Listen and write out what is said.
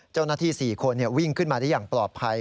เจ้าหน้าที่๔คนวิ่งขึ้นมาได้อย่างปลอดภัย